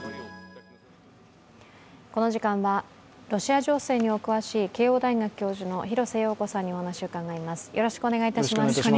この時間はロシア情勢にお詳しい慶応大学教授の廣瀬陽子さんにお話を伺います。